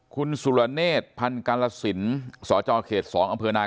คุณสุรเนธพันกาลสินสจเขต๒อำเภอนาย